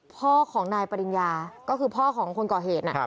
พ่อของนายปริญญาก็คือพ่อของคนก่อเหตุ